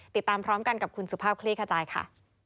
ติดตามพร้อมกันกับคุณสุภาพคลี่ขจายค่ะ